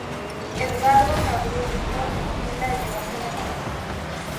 Edgardo Gabriel Storni y la elevación de Mons.